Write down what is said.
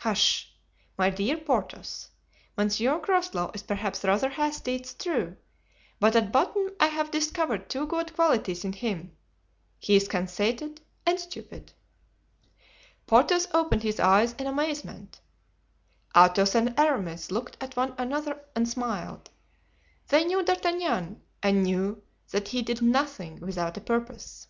"Hush! my dear Porthos. Monsieur Groslow is perhaps rather hasty, it's true, but at bottom I have discovered two good qualities in him—he is conceited and stupid." Porthos opened his eyes in amazement; Athos and Aramis looked at one another and smiled; they knew D'Artagnan, and knew that he did nothing without a purpose.